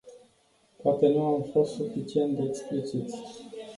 Poate nu am fost suficient de expliciți.